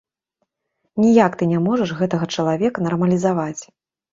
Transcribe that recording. Ніяк ты не можаш гэтага чалавека нармалізаваць.